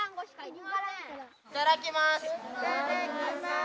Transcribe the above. いただきます。